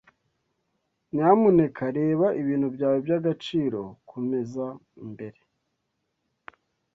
Nyamuneka reba ibintu byawe by'agaciro kumeza imbere.